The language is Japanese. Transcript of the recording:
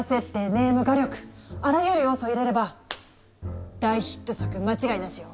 ・ネーム・画力あらゆる要素を入れれば大ヒット作間違いなしよ。